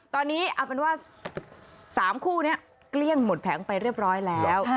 ตอนนี้เอาเป็นว่า๓คู่นี้เกลี้ยงหมดแผงไปเรียบร้อยแล้ว